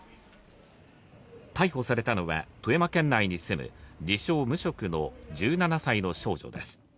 逮捕されたのは富山県内に住む自称無職の１７歳の少女です。